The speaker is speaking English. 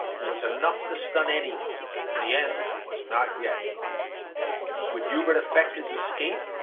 It was enough to stun any one; and the end was not yet. Would Hubert effect his escape?